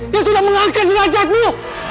yang sudah mengangkat jenajahmu